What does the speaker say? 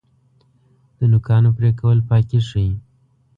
د نوکانو پرې کول پاکي ښیي.